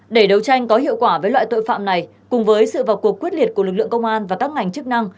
để đấu tranh có hiệu quả với loại tội phạm này cùng với sự vào cuộc quyết liệt của lực lượng công an và các ngành chức năng